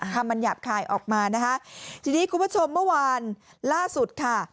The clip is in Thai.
คำมันหยาบคายออกมานะคะทีนี้คุณผู้ชมเมื่อวานล่าสุดค่ะ